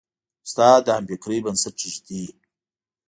استاد د همفکرۍ بنسټ ږدي.